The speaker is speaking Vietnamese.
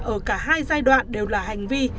ở cả hai giai đoạn đều là hành vi